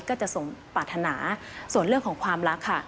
ก็จะสมปรารถนาส่วนเรื่องของความรักค่ะ